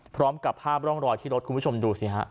พร้อมกับภาพร่องรอยที่รถคุณผู้ชมดูสิฮะ